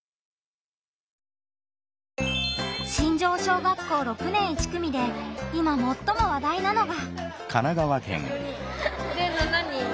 新城小学校６年１組で今もっとも話題なのが。